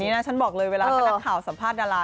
นี่นะฉันบอกเลยเวลาถ้านักข่าวสัมภาษณารา